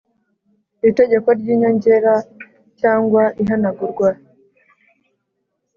itegeko ry inyongera cyangwa ihanagurwa